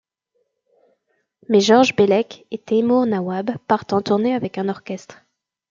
Mais Georges Bellec et Teymour Nawab partent en tournée avec un orchestre.